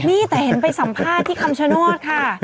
นี่แต่เห็นไปสัมภาษณ์ที่คำชโนธค่ะ